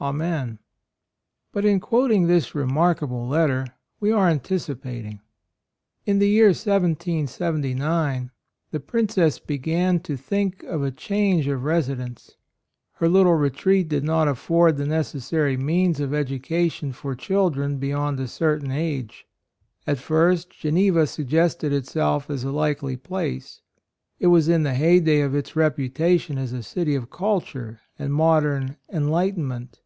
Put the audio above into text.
Amen." But in quoting this remark able letter we are anticipating. In the year 1779 the Princess began to think of a change of residence. Her little retreat did not afford the necessary means of education for children beyond AND MOTHER. 29 a certain age. At first Geneva suggested itself as a likely place ; it was in the heyday of its reputation as a city of culture and modern "enlightenment."